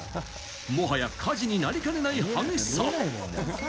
もはや火事になりかねない激しさ。